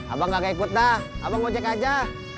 abang enggak kekut dah abang ucek aja